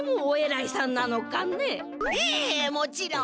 ええもちろん。